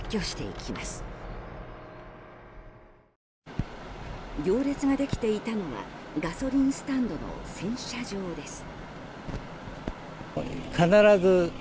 行列ができていたのはガソリンスタンドの洗車場です。